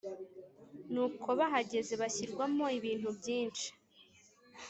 nuko bahageze bashyirwamo ibintu byinshi.